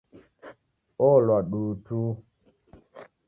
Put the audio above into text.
Olwa duu tu.